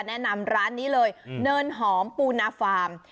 แนะนำร้านนี้เลยเนินหอมปูนาฟาร์ม